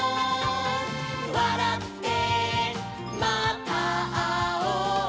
「わらってまたあおう」